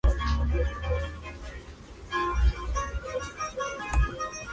El centro comercial es operado por The Westfield Group.